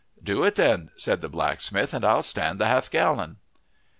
"Do it, then," said the blacksmith, "and I'll stand the half gallon."